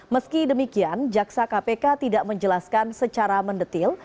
meski demikian jaksa kpk tidak menjelaskan secara mendetil